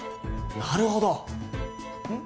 なるほどんっ？